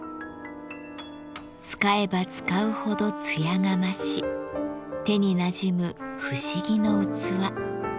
使えば使うほど艶が増し手になじむ不思議の器。